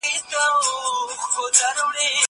زه بايد انځورونه رسم کړم!